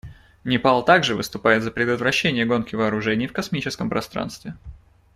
Непал также выступает за предотвращение гонки вооружений в космическом пространстве.